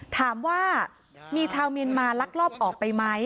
ถามว่ามีชาวเมียนมาลักลอบออกไปไหม